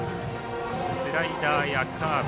スライダーやカーブ